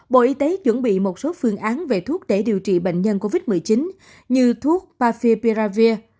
bộ y tế chuẩn bị một số phương án về thuốc để điều trị bệnh nhân covid một mươi chín như thuốc papir perravir